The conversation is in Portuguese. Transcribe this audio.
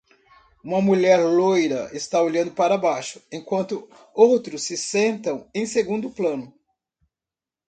Uma mulher loira está olhando para baixo, enquanto outros se sentam em segundo plano.